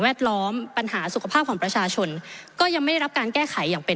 ล้อมปัญหาสุขภาพของประชาชนก็ยังไม่ได้รับการแก้ไขอย่างเป็น